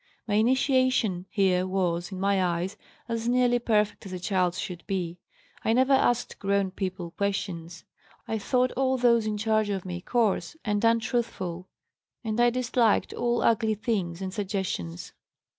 My initiation here was, in my eyes, as nearly perfect as a child's should be. I never asked grown people questions. I thought all those in charge of me coarse and untruthful and I disliked all ugly things and suggestions.